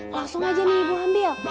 langsung aja nih ibu hamil